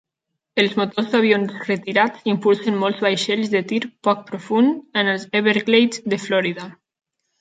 Els motors d'avions retirats impulsen molts vaixells de tir poc profund en els Everglades de Florida.